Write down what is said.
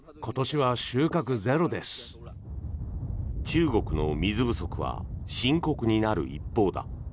中国の水不足は深刻になる一方だ。